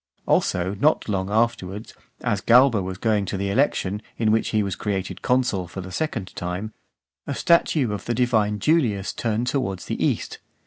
Also not long afterwards, as Galba was going to the election, in which he was created consul for the second time, a statue of the Divine Julius turned towards the east.